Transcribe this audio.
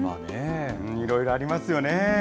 いろいろありますよね。